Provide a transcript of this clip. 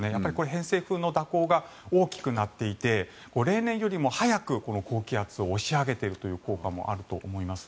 偏西風の蛇行が大きくなっていて例年よりも早く高気圧を押し上げているという効果もあると思います。